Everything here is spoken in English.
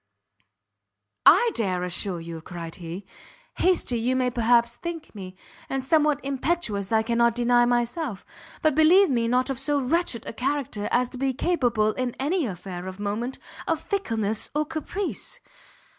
"I dare assure you!" cried he; "hasty you may perhaps think me, and somewhat impetuous I cannot deny myself; but believe me not of so wretched a character as to be capable, in any affair of moment, of fickleness or caprice."